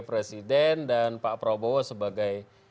presiden dan pak prabowo sebagai